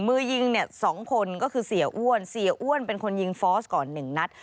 มือยิง๒คนก็คือเสียอ้วนเป็นคนยิงฟอสก่อน๑นัด